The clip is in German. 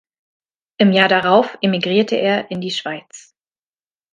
Im Jahr darauf emigrierte er in die Schweiz.